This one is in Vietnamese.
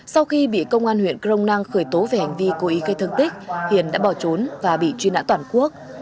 sau khi bị công an huyện crong năng khởi tố về hành vi cố ý gây thương tích hiền đã bỏ trốn và bị truy nã toàn quốc